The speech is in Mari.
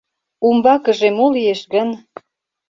— Умбакыже мо лиеш гын?